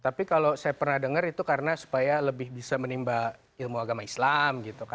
tapi kalau saya pernah dengar itu karena supaya lebih bisa menimbulkan keberhasilan kebijakan pendidikan di satu wilayah